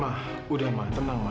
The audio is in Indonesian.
ma sudah ma tenang ma